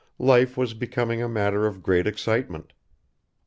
Life was becoming a matter of great excitement.